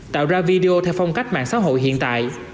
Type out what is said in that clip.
tạo ra video theo phong cách mạng xã hội hiện tại